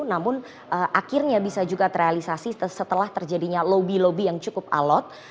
namun akhirnya bisa juga terrealisasi setelah terjadinya lobby lobby yang cukup alot